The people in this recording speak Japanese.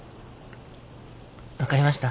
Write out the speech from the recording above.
分かりました。